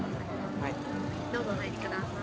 どうぞお入りください。